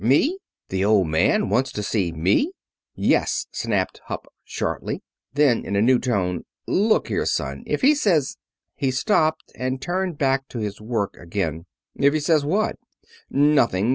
"Me? The Old Man wants to see me?" "Yes," snapped Hupp shortly. Then, in a new tone, "Look here, son. If he says " He stopped, and turned back to his work again. "If he says what?" "Nothing.